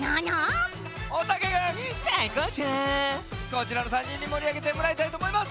こちらの３にんにもりあげてもらいたいとおもいます。